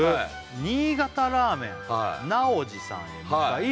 「新潟ラーメンなおじさんへ向かい」